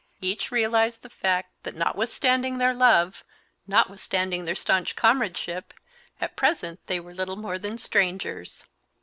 Each realized the fact that notwithstanding their love, notwithstanding their stanch comradeship, at present they were little more than strangers.